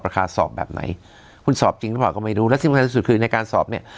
สอบแบบไหนคุณสอบจริงหรือเปล่าก็ไม่รู้และที่สำคัญที่สุดคือในการสอบเนี่ย